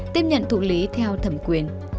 tiếp nhận thụ lý theo thẩm quyền